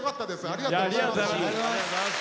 ありがとうございます。